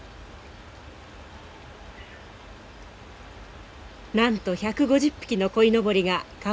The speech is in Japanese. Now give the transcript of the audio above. なんと１５０匹のこいのぼりが川を渡る。